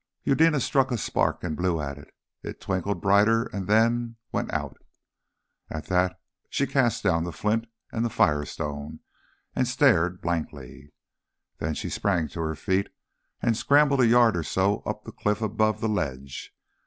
Eudena struck a spark and blew at it; it twinkled brighter and then went out. At that she cast down flint and firestone and stared blankly. Then she sprang to her feet and scrambled a yard or so up the cliff above the ledge.